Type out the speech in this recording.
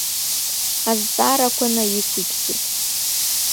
Азҵаарақәа наиқәиԥсеит.